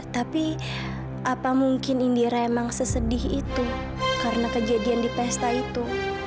tapi apa mungkin indira emang sesedih itu karena kejadian di pesta itu